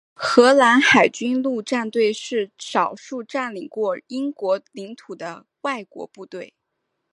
荷兰海军陆战队是少数占领过英国领土的外国部队。